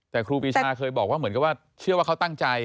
แต่ครูปีชาเคยบอกว่าเหมือนกับว่าเชื่อว่าเขาตั้งใจ